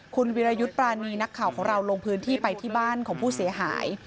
คุณวิรายุทธ์ปรานีนักข่าวของเราลงพื้นที่ไปที่บ้านของผู้เสียหาย